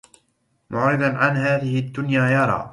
معرض عن هذه الدنيا يرى